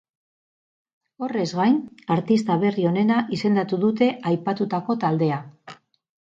Horrez gain, artista berri onena izendatu dute aipatutako taldea.